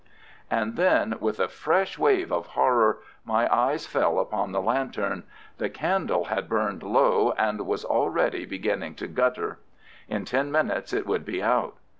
And then, with a fresh wave of horror, my eyes fell upon the lantern. The candle had burned low, and was already beginning to gutter. In ten minutes it would be out.